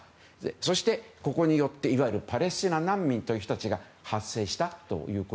そして、ここによっていわゆるパレスチナ難民という人たちが発生したと。